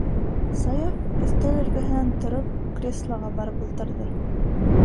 - Саяф, өҫтәл эргәһенән тороп, креслоға барып ултырҙы.